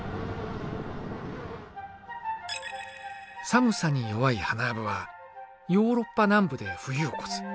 寒さに弱いハナアブはヨーロッパ南部で冬を越す。